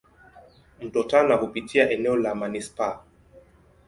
Mto Tana hupitia eneo la manispaa.